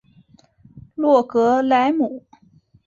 洛格莱姆。